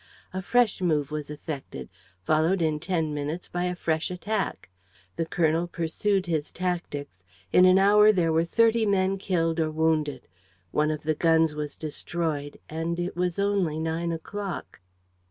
A fresh move was effected, followed in ten minutes by a fresh attack. The colonel pursued his tactics. In an hour there were thirty men killed or wounded. One of the guns was destroyed. And it was only nine o'clock.